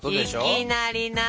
いきなりな。